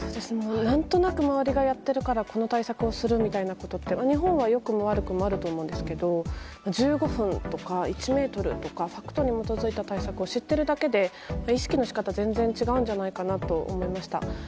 何となく周りがやってるからこの対策をするみたいなことは日本は良くも悪くもあると思うんですが１５分とか１ｍとかファクトに基づいた対策を知ってるだけで意識の仕方が全然違うんじゃないかと思いました。